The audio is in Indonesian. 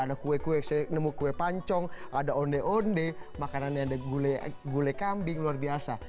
ada kue kue saya nemu kue pancong ada onde onde makanannya ada gulai kambing luar biasa